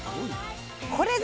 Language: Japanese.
これぞ！